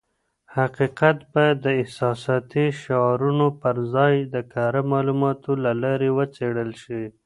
حقیقت بايد د احساساتي شعارونو پر ځای د کره معلوماتو له لارې وڅېړل شي.